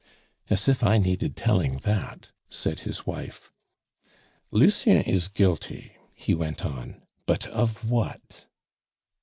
"As if I needed telling that!" said his wife. "Lucien is guilty," he went on; "but of what?"